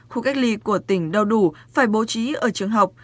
khu cách ly của tỉnh đo đủ phải bố trí ở trường học